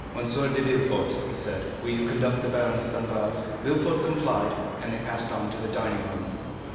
"M. de Villefort," he said, "will you conduct the Baroness Danglars?" Villefort complied, and they passed on to the dining room. Chapter 63.